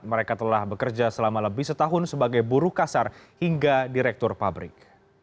mereka telah bekerja selama lebih setahun sebagai buruh kasar hingga direktur pabrik